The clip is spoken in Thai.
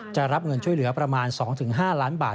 จะรับเงินช่วยเหลือประมาณ๒๕ล้านบาท